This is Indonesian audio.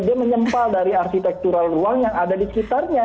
dia menyempal dari arsitektural ruang yang ada di sekitarnya